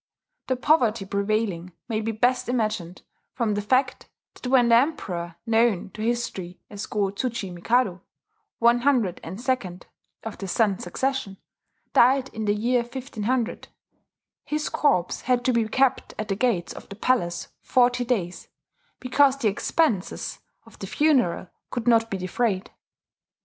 The poverty prevailing may be best imagined from the fact that when the Emperor known to history as Go Tsuchi mikado one hundred and second of the Sun's Succession died in the year 1500, his corpse had to be kept at the gates of the palace forty days, because the expenses of the funeral could not be defrayed.